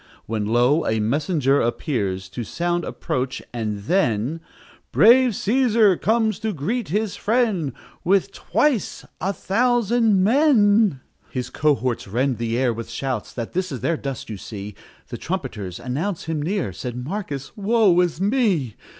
When lo! a messenger appears To sound approach and then, "Brave Cæsar comes to greet his friend With twice a thousand men! "His cohorts rend the air with shouts; That is their dust you see; The trumpeters announce him near!" Said Marcus, "Woe is me!